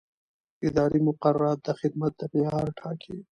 اداري مقررات د خدمت د معیار ټاکي.